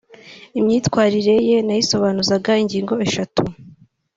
Imyitwarire ye nayisobanuzaga ingingo eshatu